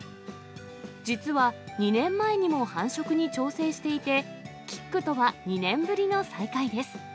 実は２年前にも繁殖に挑戦していて、キックとは２年ぶりの再会です。